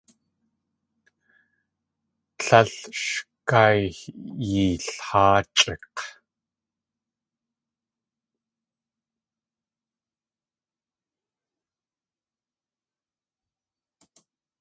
Líl sh kayilháachʼik̲!